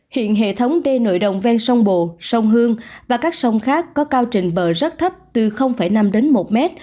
hiện hệ thống đê nội đồng ven sông bồ sông hương và các sông khác có cao trình bờ rất thấp từ năm đến một mét